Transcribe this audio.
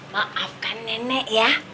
maafkan nenek ya